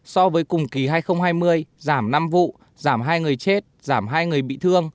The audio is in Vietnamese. so với cùng kỳ hai nghìn hai mươi giảm năm vụ giảm hai người chết giảm hai người bị thương